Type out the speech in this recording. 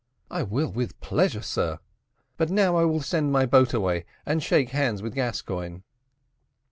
"I will, with pleasure, sir. But now I will send my boat away and shake hands with Gascoigne."